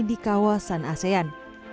di kawasan asean